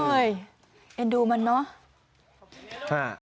เอ้ยเดี๋ยวดูมันน่ะ